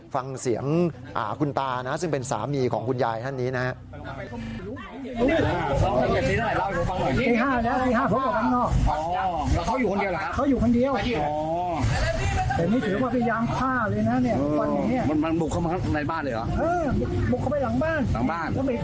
ฟังเสียงคุณตานะซึ่งเป็นสามีของคุณยายท่านนี้นะครับ